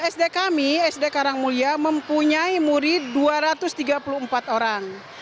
sd kami sd karangmulya mempunyai murid dua ratus tiga puluh empat orang